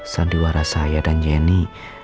sandiwara saya dan jenny